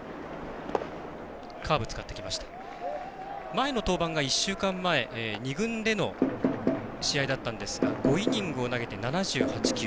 前の登板が１週間前２軍での試合だったんですが５イニングを投げて７８球。